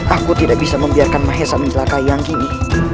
aku tidak bisa membiarkan mahesa menjelaka yang gini